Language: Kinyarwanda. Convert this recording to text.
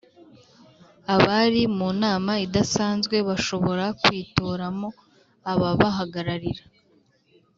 Abari mu nama idasanzwe bashobora kwitoramo ababahagararira